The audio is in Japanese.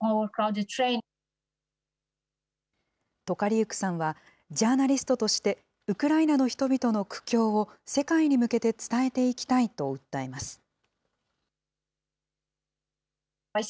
トカリウクさんは、ジャーナリストとして、ウクライナの人々の苦境を世界に向けて伝えていきたいと訴えます。